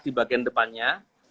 di bagian depannya